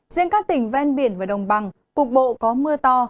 riêng các tỉnh ven biển và đồng bằng cục bộ có mưa to